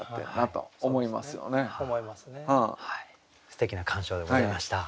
すてきな鑑賞でございました。